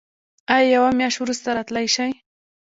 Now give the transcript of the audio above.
ایا یوه میاشت وروسته راتلی شئ؟